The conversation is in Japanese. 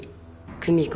久美子！